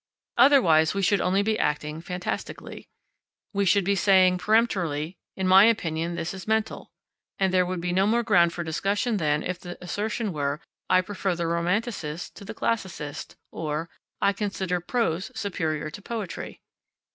Otherwise, we should only be acting fantastically. We should be saying peremptorily, "In my opinion this is mental," and there would be no more ground for discussion than, if the assertion were "I prefer the Romanticists to the Classicists," or "I consider prose superior to poetry."